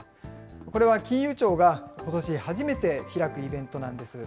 これは金融庁がことし初めて開くイベントなんです。